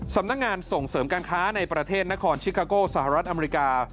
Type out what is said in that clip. สำนักงานส่งเสริมการค้าในประเทศนครชิคาโกสหรัฐอเมริกา